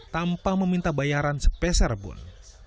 tanpa meminta bayaran sepeserpun